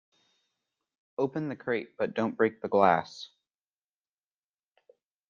Open the crate but don't break the glass.